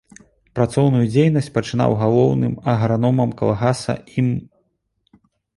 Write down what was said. Працоўную дзейнасць пачынаў галоўным аграномам калгаса ім.